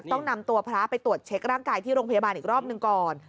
ต้องนำตัวพระไปตรวจเช็คร่างกายที่โรงพยาบาลอีกรอบหนึ่งก่อน